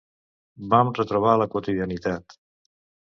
Vam retrobar la quotidianitat.